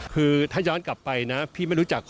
คือถ้าย้อนกลับไปนะพี่ไม่รู้จัก